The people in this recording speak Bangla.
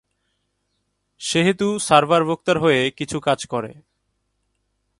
সেহেতু সার্ভার ভোক্তার হয়ে কিছু কাজ করে।